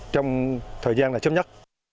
trong thời gian là chấm nhất